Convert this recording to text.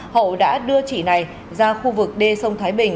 hậu đã đưa chỉ này ra khu vực đê sông thái bình